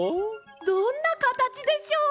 どんなかたちでしょう？